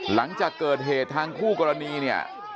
หลังจากเกิดเหตุทางคู่กรณีเนี่ย